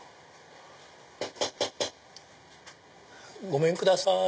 ごめんください。